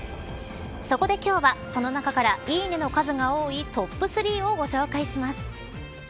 そこで今日はその中から、いいねの数が多いトップ３をご紹介します。